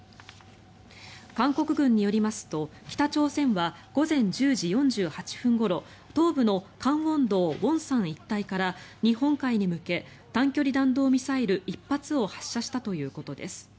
韓国軍によりますと北朝鮮は午前１０時４８分ごろ東部の江原道元山一帯から日本海に向け短距離弾道ミサイル１発を発射したということです。